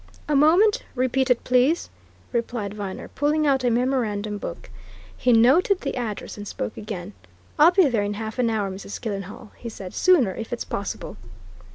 "A moment repeat it, please," replied Viner, pulling out a memorandum book. He noted the address and spoke again: "I'll be there in half an hour, Mrs. Killenhall," he said. "Sooner, if it's possible."